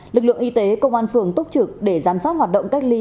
lực lượng y tế công an phường túc trực để giám sát hoạt động cách ly